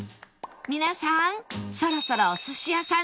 皆さんそろそろお寿司屋さん